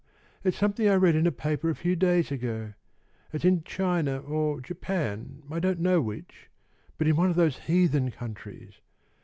It's something I read in a paper a few days ago. It's in China or Japan, I don't know which, but in one of those heathen countries.